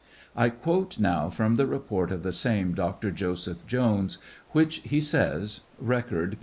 I quote now from the report of the sameDr. Joseph Jones, which, he says, (Record, p.